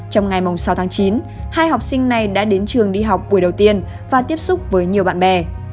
trong ngày sáu tháng chín hai học sinh này đã đến trường đi học buổi đầu tiên và tiếp xúc với nhiều bạn bè